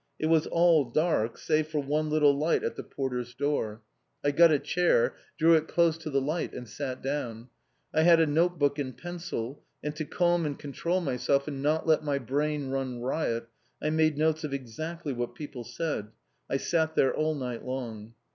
It was all dark, save for one little light at the porter's door! I got a chair, drew it close to the light and sat down. I had a note book and pencil, and to calm and control myself and not let my brain run riot I made notes of exactly what people said. I sat there all night long!